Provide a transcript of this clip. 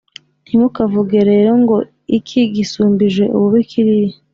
Ntimukavuge rero ngo «Iki gisumbije ububi kiriya»,